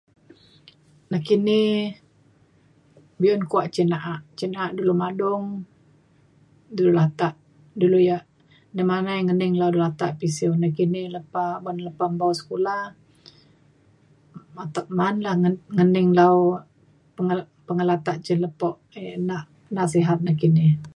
nakini be'un kuak cin na'a cin na'a dulu madung dulu latak dulu ia' demanai ngening lau dulu latak pisiu nekini lepa ban lepa mpau sekula atek maan lan nge- ngening lau pengela- pengelatak cin lepo um nak nasihat nakini